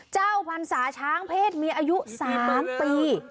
เจ้าพันษาช้างเพศมีอายุ๓ปี